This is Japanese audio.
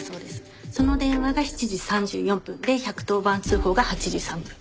その電話が７時３４分で１１０番通報が８時３分。